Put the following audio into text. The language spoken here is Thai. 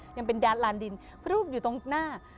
ยังเป็นแดนลานดินรูปอยู่ตรงหน้า